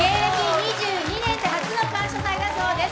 ２２年で初の「感謝祭」だそうです。